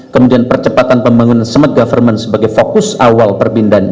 kemudian percepatan pembangunan smart government sebagai fokus awal perpindahan ke ikn